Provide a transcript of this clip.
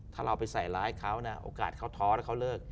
ถ้าเราไปใส่ร้ายเขานะโอกาสเขาท้อแล้วเขาเลิก